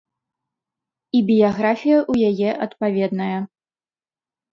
І біяграфія ў яе адпаведная.